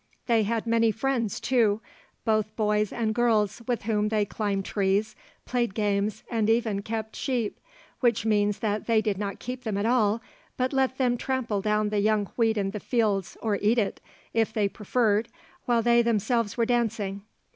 They had many friends too, both boys and girls, with whom they climbed trees, played games, and even kept sheep, which means that they did not keep them at all, but let them trample down the young wheat in the fields or eat it, if they preferred, while they themselves were dancing.